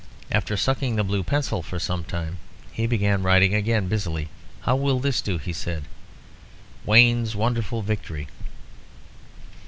After sucking the blue pencil for some time, he began writing again busily. "How will this do?" he said "WAYNE'S WONDERFUL VICTORY."